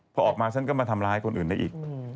พอออกมาฉันก็มาทำร้ายคนอื่นได้อีก